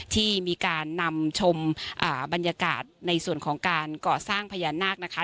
ที่มีการนำชมบรรยากาศในส่วนของการก่อสร้างพญานาคนะคะ